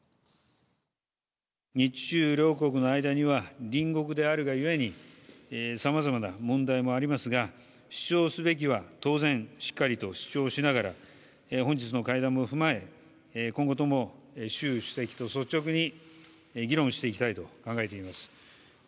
日中両国の間には、隣国であるがゆえに、さまざまな問題もありますが、主張すべきは当然しっかりと主張しながら、本日の会談も踏まえ、今後とも習主席と率直に議論していきたいと考えています。